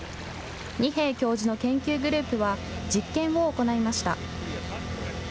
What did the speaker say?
二瓶教授の研究グループは実験を行いました。